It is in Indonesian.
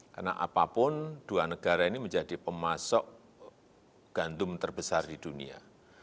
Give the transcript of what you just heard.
karena apapun dua negara ini menjadi pemasok gantum terbesar di dunia